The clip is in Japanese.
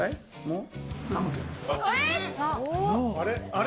あれ？